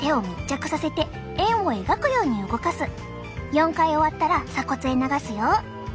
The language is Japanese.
４回終わったら鎖骨へ流すよ。